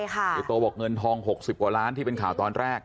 โตบอกเงินทอง๖๐กว่าล้านที่เป็นข่าวตอนแรก